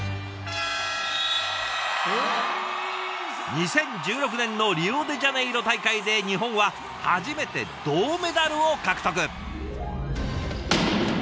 ２０１６年のリオデジャネイロ大会で日本は初めて銅メダルを獲得。